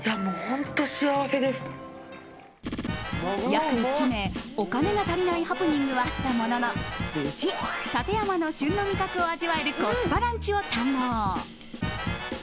約１名、お金が足りないハプニングはあったものの無事、館山の旬の味覚を味わえるコスパランチを堪能。